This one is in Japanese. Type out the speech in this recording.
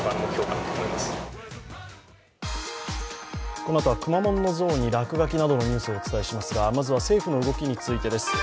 このあとはくまモンの像にらくがきなどのニュースを伝えますがまずは政府の動きについてです。